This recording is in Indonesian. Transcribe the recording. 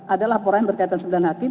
ada laporan yang berkaitan sembilan hakim